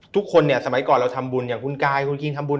ทุกคนเนี่ยสมัยก่อนเราทำบุญอย่างคุณกายคุณคิงทำบุญ